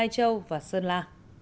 châu và sơn la